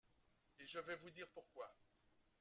et je vais vous dire pourquoi.